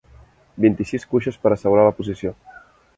Vint-i-sis cuixes per assegurar la posició.